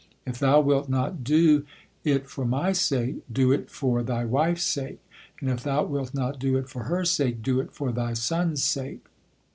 If thou wilt not do if for my sake, do it for thy wife's sake; and if thou wilt not do it for her sake, do it for thy sons' sake."